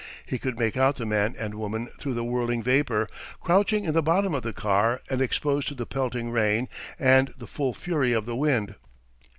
He could make out the man and woman through the whirling vapor, crouching in the bottom of the car and exposed to the pelting rain and the full fury of the wind.